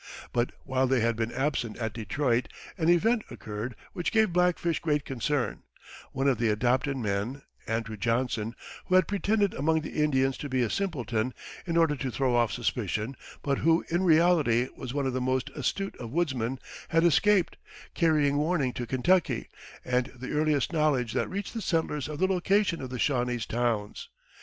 But while they had been absent at Detroit an event occurred which gave Black Fish great concern: one of the adopted men, Andrew Johnson who had pretended among the Indians to be a simpleton, in order to throw off suspicion, but who in reality was one of the most astute of woodsmen had escaped, carrying warning to Kentucky, and the earliest knowledge that reached the settlers of the location of the Shawnese towns.